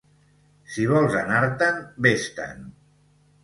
Si vols anar-te'n, ves-te'n!